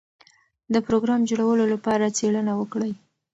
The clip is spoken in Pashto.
د پروګرام جوړولو لپاره څېړنه وکړئ.